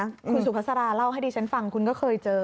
คุณสุภาษาราเล่าให้ดิฉันฟังคุณก็เคยเจอ